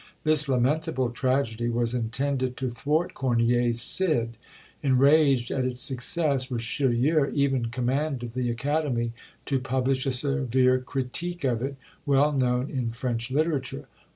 This lamentable tragedy was intended to thwart Corneille's "Cid." Enraged at its success, Richelieu even commanded the Academy to publish a severe critique of it, well known in French literature.